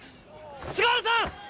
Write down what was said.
菅原さん！